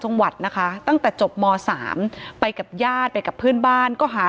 จังหวัดนะคะตั้งแต่จบม๓ไปกับญาติไปกับเพื่อนบ้านก็หา